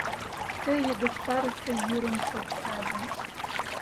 Ты йыгыжтарыше йӱрын шырчаже